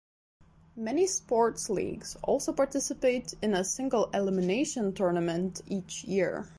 Many sports leagues also participate in a single-elimination tournament each year.